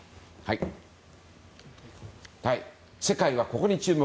世界はここに注目。